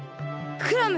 クラム！